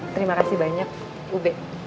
terima kasih banyak ube